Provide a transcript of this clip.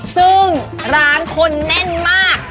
ซึ่งร้านคนแน่นมาก